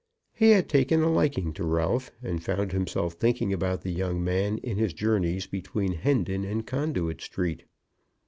He had taken a liking to Ralph, and found himself thinking about the young man in his journeys between Hendon and Conduit Street.